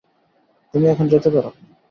তুমি এখন যেতে পারো।